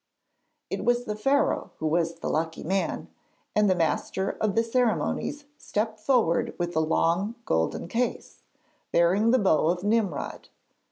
It was the Pharaoh who was the lucky man, and the master of the ceremonies stepped forward with the long golden case, bearing the bow of Nimrod.